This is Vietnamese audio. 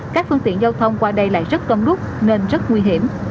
các phương tiện giao thông qua đây lại rất đông đúc nên rất nguy hiểm